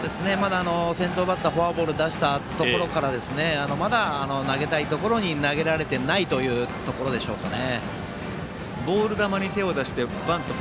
先頭バッターフォアボール出したところからまだ投げたいところに投げられてないというところでしょうかね。